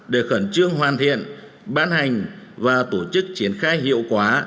để khẩn trương hoàn thiện ban hành và tổ chức triển khai hiệu quả